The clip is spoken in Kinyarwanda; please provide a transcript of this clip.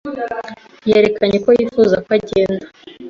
Yerekanye ko yifuza ko agenda.